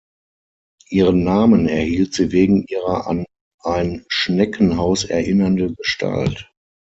Ihren Namen erhielt sie wegen ihrer an ein Schneckenhaus erinnernde Gestalt.